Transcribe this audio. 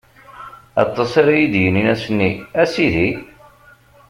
Aṭas ara yi-d-yinin ass-nni: A Sidi!